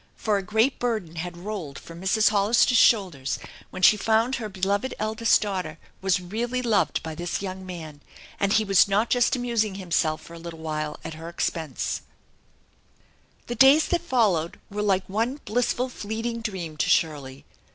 For a great burden had rolled from Mrs. Hollister's shoulders when she found her beloved eldest daugh ter was really loved by this young man, and he was not just amusing himself for a little while at her expense. 302 THE ENCHANTED BARN The days that followed were like one blissful fleeting dream to Shirley.